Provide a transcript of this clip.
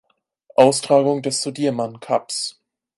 Austragung des Sudirman Cups.